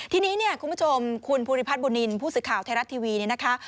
ทีนี้คุณผู้ชมคุณภูนิพัฒน์บุนินผู้สื่อข่าวไทยรัฐทีวีนะคะ